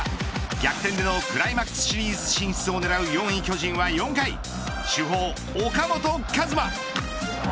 逆転でのクライマックスシリーズ進出を狙う４位巨人は、４回主砲、岡本和真。